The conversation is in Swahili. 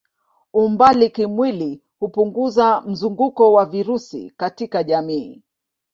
Umbali kimwili hupunguza mzunguko wa virusi katika jamii.